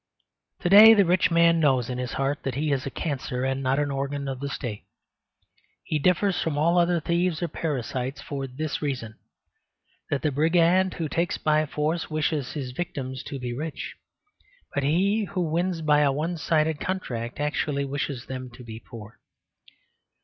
To day the rich man knows in his heart that he is a cancer and not an organ of the State. He differs from all other thieves or parasites for this reason: that the brigand who takes by force wishes his victims to be rich. But he who wins by a one sided contract actually wishes them to be poor.